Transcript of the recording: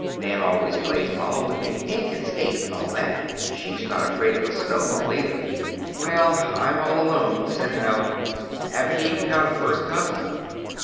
"Nan always plays ball with me, and can skate and all that. She's not afraid of a snowball, either." "Well, I'm all alone," said Hal. "Haven't even got a first cousin.